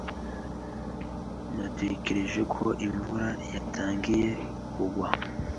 Natekereje ko imvura yatangiye kugwa.